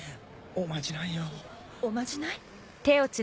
おまじない？